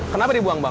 kenapa dibuang bang